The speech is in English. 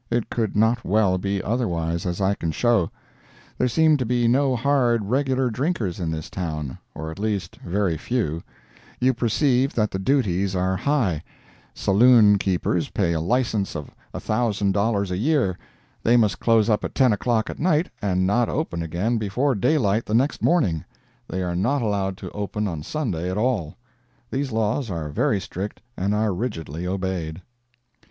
It could not well be otherwise, as I can show. There seem to be no hard, regular drinkers in this town, or at least very few; you perceive that the duties are high; saloon keepers pay a license of a thousand dollars a year; they must close up at ten o'clock at night and not open again before daylight the next morning; they are not allowed to open on Sunday at all. These laws are very strict, and are rigidly obeyed.